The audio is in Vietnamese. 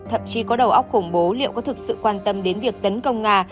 thậm chí có đầu óc khủng bố liệu có thực sự quan tâm đến việc tấn công nga